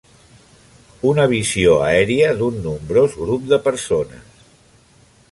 Una visió aèria d'un nombrós grup de persones